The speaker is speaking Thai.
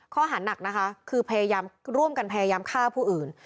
ข้อหานักนะคะคือพยายามร่วมกันพยายามฆ่าผู้อื่น